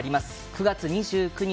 ９月２９日